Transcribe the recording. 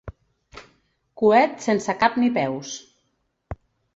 Coet sense cap ni peus.